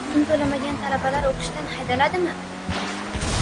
Kontrakt pulini to‘lamagan talabalar o‘qishdan haydaladimi?